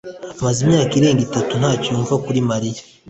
amaze imyaka irenga itatu ntacyo yumva kuri Mariya.